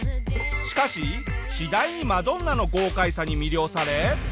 しかし次第にマドンナの豪快さに魅了され。